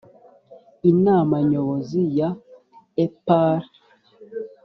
inama nyobozi ya epr